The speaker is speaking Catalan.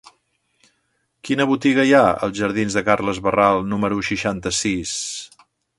Quina botiga hi ha als jardins de Carles Barral número seixanta-sis?